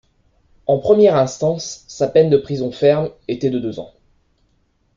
En première instance, sa peine de prison ferme était de deux ans.